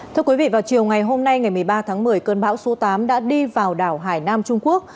thưa quý vị vào chiều ngày hôm nay ngày một mươi ba tháng một mươi cơn bão số tám đã đi vào đảo hải nam trung quốc